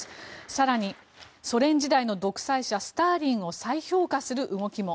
更にソ連時代の独裁者スターリンを再評価する動きも。